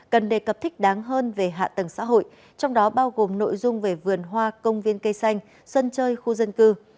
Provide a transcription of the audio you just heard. cần đề cập thích đáng hơn về hạ tầng xã hội trong đó bao gồm nội dung về vườn hoa công viên cây xanh sân chơi khu dân cư